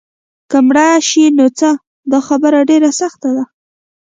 که مړه شي نو څه؟ دا خبره ډېره سخته ده.